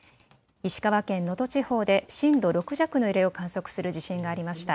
石川県能登地方で震度６弱の揺れを観測する地震がありました。